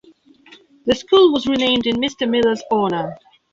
The school was renamed in Mr. Miller's honor.